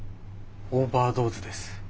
オーバードーズです。